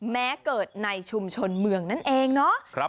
แม้เกิดในชุมชนเมืองนั่นเองเนาะ